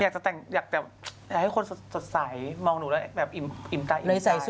จะให้คนสะใสมองหนูแล้วแบบอิ่มใต้